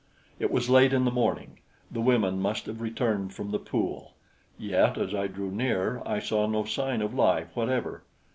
It was late in the morning. The women must have returned from the pool; yet as I drew near, I saw no sign of life whatever.